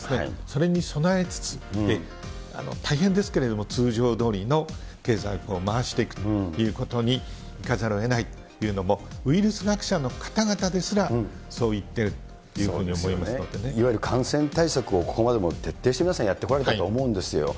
それに備えつつ、大変ですけれども、通常どおりの経済を回していくということにいかざるをえないというのも、ウイルス学者の方々ですら、そう言っているというふうにいわゆる感染対策をここまで徹底して皆さん、やってこられたと思うんですよ。